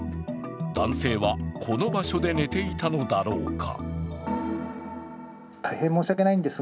男性は、この場所で寝ていたのだろうか。